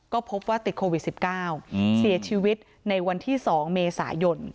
ก็พบว่าติดโควิด๑๙เสียชีวิตในวันที่๒เมษายน